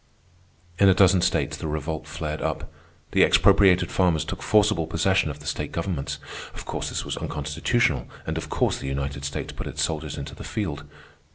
In a dozen states the revolt flared up. The expropriated farmers took forcible possession of the state governments. Of course this was unconstitutional, and of course the United States put its soldiers into the field.